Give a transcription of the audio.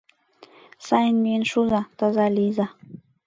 Сайын миен шуза, таза лийза.